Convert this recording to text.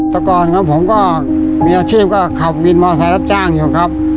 แต่ก่อนครับผมก็มีอาชีพก็ขับวินมอเซล์รับจ้างอยู่ครับ